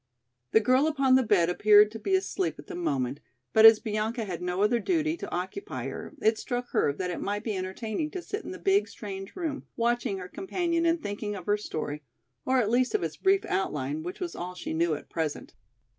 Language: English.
The girl upon the bed appeared to be asleep at the moment, but as Bianca had no other duty to occupy her it struck her that it might be entertaining to sit in the big, strange room watching her companion and thinking of her story, or at least of its brief outline which was all she knew at present.